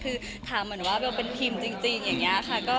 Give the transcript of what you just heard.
คือถามเหมือนว่าเบลเป็นพิมพ์จริงอย่างนี้ค่ะ